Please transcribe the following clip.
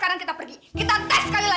jangan bertindak kasar sama lara